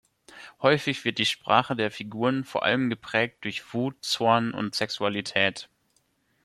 Häufig wird die Sprache der Figuren vor allem geprägt durch Wut, Zorn und Sexualität.